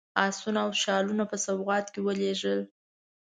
آسونه او شالونه په سوغات کې ولېږلي.